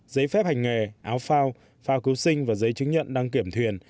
giấy phép hành nghề áo phao phao cứu sinh và giấy chứng nhận đăng kiểm thuyền